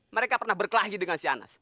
mereka pernah berkelahi dengan si anas